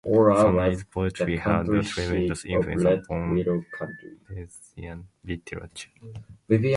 Sanai's poetry had a tremendous influence upon Persian literature.